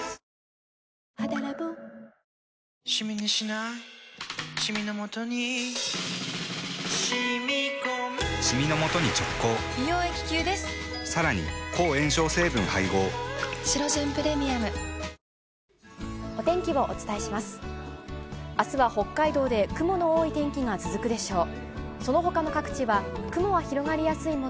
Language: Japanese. あすは北海道で雲の多い天気が続くでしょう。